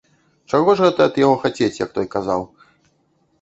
Чаго ж гэта ад яго хацець, як той казаў?